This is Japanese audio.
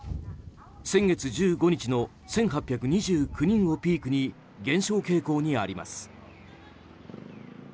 先月１５日の１８２９人をピークに減少傾向にあります。